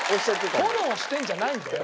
フォローをしてんじゃないんだよ。